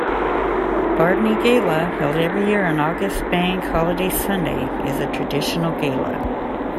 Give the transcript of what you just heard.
Bardney Gala, held every year on August Bank Holiday Sunday, is a traditional Gala.